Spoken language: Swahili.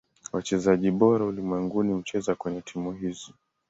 Wachezaji bora ulimwenguni hucheza kwenye timu hizi.